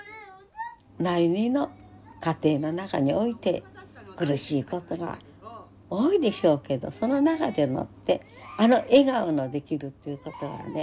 真由美の家庭の中において苦しいことが多いでしょうけどその中でもってあの笑顔のできるっていうことがね